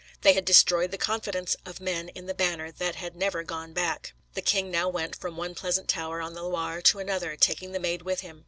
They had destroyed the confidence of men in the banner that had never gone back. The king now went from one pleasant tower on the Loire to another, taking the Maid with him.